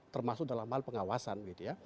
termasuk dalam hal pengawasan